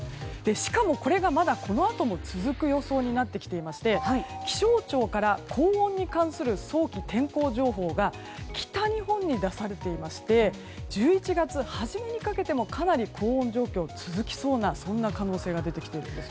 しかも、これがまだこのあとも続く予想になってきていまして気象庁から高温に関する早期天候情報が北日本に出されていまして１１月初めにかけてもかなり高温状況が続きそうなそんな可能性が出てきているんです。